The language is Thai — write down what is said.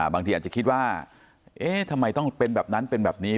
บางทีอาจจะคิดว่าเอ๊ะทำไมต้องเป็นแบบนั้นเป็นแบบนี้